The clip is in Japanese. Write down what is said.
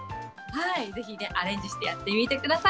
ぜひ、アレンジしてやってみてください。